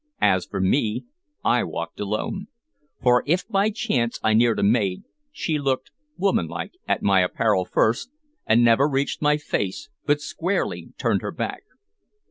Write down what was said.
As for me, I walked alone; for if by chance I neared a maid, she looked (womanlike) at my apparel first, and never reached my face, but squarely turned her back.